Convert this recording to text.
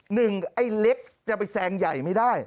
ไอ้เล็กจะไปแซงใหญ่ไม่ได้